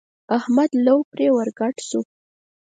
احمد لو پرې ور ګډ شو.